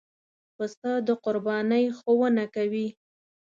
پسه د قربانۍ ښوونه کوي.